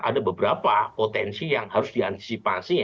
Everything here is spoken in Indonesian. ada beberapa potensi yang harus diantisipasi